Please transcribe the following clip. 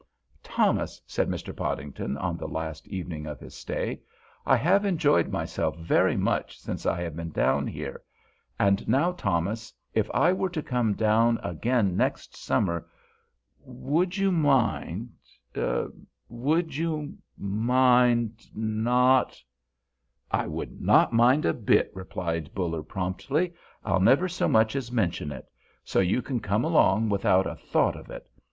"Thomas," said Mr. Podington, on the last evening of his stay, "I have enjoyed myself very much since I have been down here, and now, Thomas, if I were to come down again next summer, would you mind—would you mind, not——" "I would not mind it a bit," replied Buller, promptly. "I'll never so much as mention it; so you can come along without a thought of it.